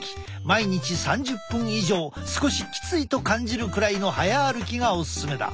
毎日３０分以上少しきついと感じるくらいの早歩きがおすすめだ。